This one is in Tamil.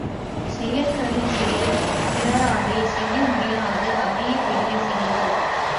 செயற்கரும் செயல், பிறராலே செய்ய முடியாத அரிய பெரிய செயல்கள்.